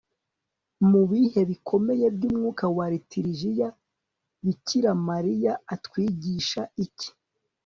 mu bihe bikomeye by'umwaka wa liturjiya bikira mariya atwigisha iki